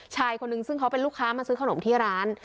คนนึงซึ่งเขาเป็นลูกค้ามาซื้อขนมที่ร้าน